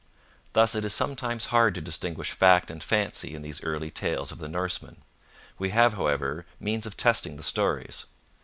Thus it is sometimes hard to distinguish fact and fancy in these early tales of the Norsemen. We have, however, means of testing the stories.